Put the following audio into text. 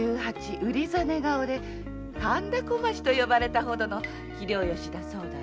うりざね顔で神田小町と呼ばれたほどの器量良しだそうだよ。